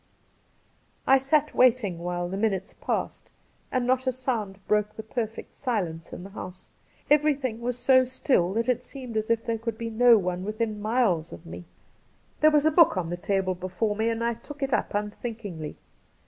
I sat waiting while the minutes passed, and not a sound broke the perfect silence in the house. Everything was so still that it seemed as if there could be no one within mUes of me. 156 Cassidy There was a book on the table before me, and I took it up unthinkingly.